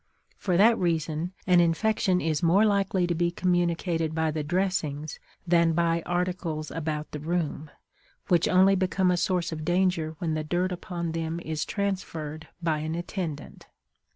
For that reason, an infection is more likely to be communicated by the dressings than by articles about the room, which only become a source of danger when the dirt upon them is transferred by an attendant.